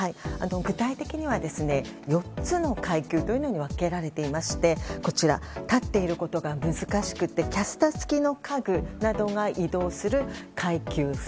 具体的には４つの階級に分けられていましてこちら、立っていることが難しくてキャスター付きの家具などが移動する階級３。